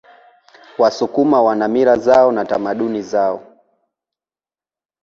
wasukuma wana mila zao na tamaduni zao